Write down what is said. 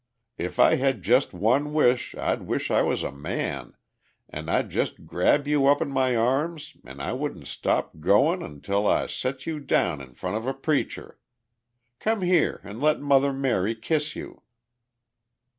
If I had just one wish I'd wish I was a man, an' I'd just grab you up in my arms an' I wouldn't stop goin' until I set you down in front of a preacher. Come here an' let Mother Mary kiss you."